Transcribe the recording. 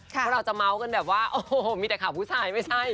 เพราะเราจะเมาส์กันแบบว่าโอ้โหมีแต่ข่าวผู้ชายไม่ใช่